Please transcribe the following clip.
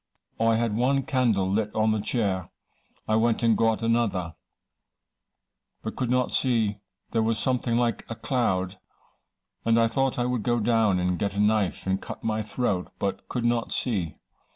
I had one candle lit on the chair I went and got another, but could not see, there was something like a cloud, and I thought I would go down and get a knife and cut my throat, but could not see.